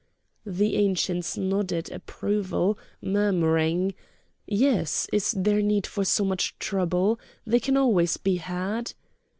The Ancients nodded approval, murmuring:—"Yes, is there need for so much trouble? They can always be had?"